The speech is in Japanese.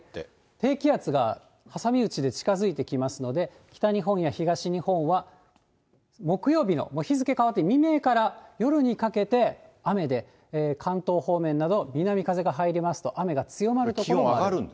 低気圧が挟み撃ちで近づいてきますので、北日本や東日本は木曜日の、もう日付変わって未明から夜にかけて雨で、関東方面など南風が入りますと、雨が強まることもある。